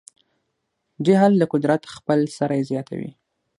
جهل د قدرت خپل سری زیاتوي.